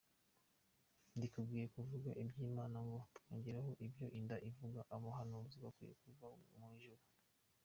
Ntidukwiye kuvuga iby’imana ngo twongereho ibyo inda ivuga Abahanuzi bakwiye kuva mu bujura